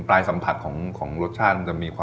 ปลายสัมผัสของรสชาติละ